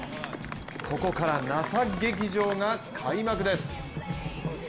ここから奈紗劇場が開幕です。